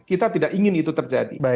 kita tidak ingin itu terjadi